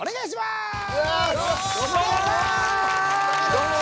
どうも。